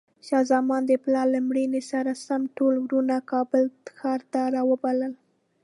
شاه زمان د پلار له مړینې سره سم ټول وروڼه کابل ښار ته راوبلل.